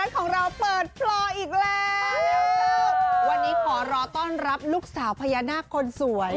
ของเราเปิดพลอยอีกแล้ววันนี้ขอรอต้อนรับลูกสาวพญานาคคนสวย